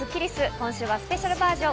今週はスペシャルバージョン。